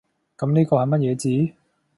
噉呢個係乜嘢字？